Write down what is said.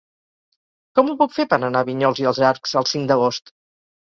Com ho puc fer per anar a Vinyols i els Arcs el cinc d'agost?